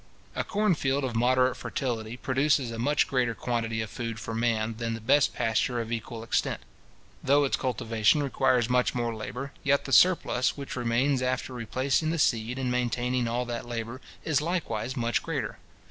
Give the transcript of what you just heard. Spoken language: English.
A corn field of moderate fertility produces a much greater quantity of food for man, than the best pasture of equal extent. Though its cultivation requires much more labour, yet the surplus which remains after replacing the seed and maintaining all that labour, is likewise much greater.